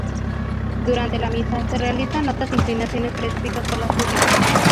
Durante la Misa, se realizan otras inclinaciones prescritas por las rúbricas.